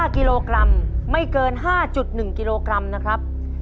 ๕กิโลกรัมไม่เกิน๕๑กิโลกรัมนะครับ